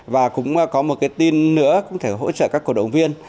và cũng có một cái tin nữa cũng thể hỗ trợ các cổ động viên